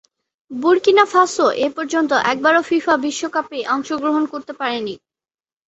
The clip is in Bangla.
বুর্কিনা ফাসো এপর্যন্ত একবারও ফিফা বিশ্বকাপে অংশগ্রহণ করতে পারেনি।